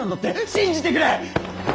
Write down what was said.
信じてくれ！